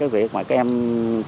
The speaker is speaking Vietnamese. việc các em tập trung